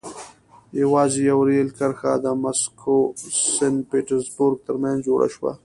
یوازې یوه رېل کرښه د مسکو سن پټزربورګ ترمنځ جوړه شوه.